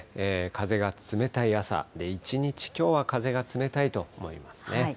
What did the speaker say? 風が冷たい朝、で、一日きょうは風が冷たいと思いますね。